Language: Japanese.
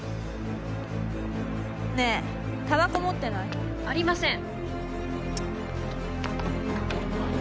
ねえたばこ持ってない？ありません。